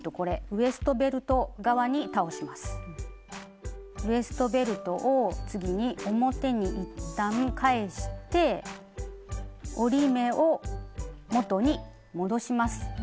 ウエストベルトを次に表に一旦返して折り目を元に戻します。